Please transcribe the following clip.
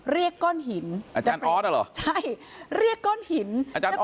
เรียกก้อนหินอาจารย์ออสโชว์ได้ด้วยเหรอ